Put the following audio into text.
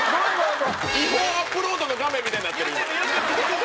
違法アップロードの画面みたいになってる今。